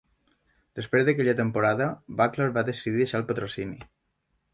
Després d'aquella temporada, Buckler va decidir deixar el patrocini.